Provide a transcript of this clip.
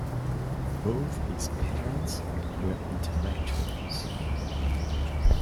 Both his parents were intellectuals.